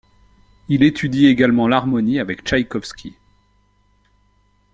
Il étudie également l'harmonie avec Tchaïkovski.